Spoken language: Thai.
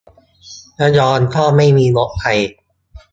ระยองก็ไม่มีรถไฟ